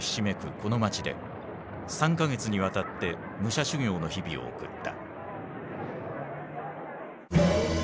この街で３か月にわたって武者修行の日々を送った。